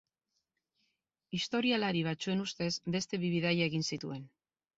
Historialari batzuen ustez, beste bi bidaia egin zituen.